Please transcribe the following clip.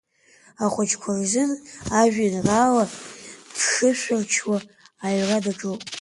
Ахәыҷқәа рзын ажәеинраала, дԥышәырччауа аҩра даҿуп.